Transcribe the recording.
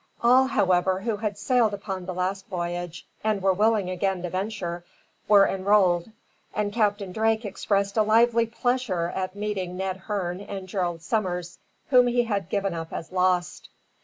All, however, who had sailed upon the last voyage, and were willing again to venture, were enrolled, and Captain Drake expressed a lively pleasure at meeting Ned Hearne and Gerald Summers, whom he had given up as lost.